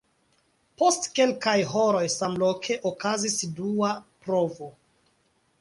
Post kelkaj horoj samloke okazis dua provo.